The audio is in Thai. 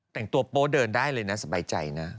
แต่งตัวโป๊เดินได้เลยนะสบายใจนะ